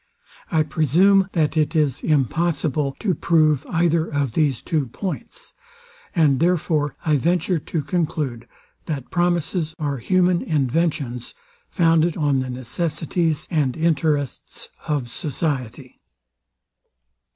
I presume, that it is impossible to prove either of these two points; and therefore I venture to conclude that promises are human inventions, founded on the necessities and interests of society.